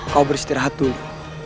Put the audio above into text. kau beristirahat dulu